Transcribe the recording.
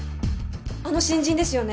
あの新人ですよね！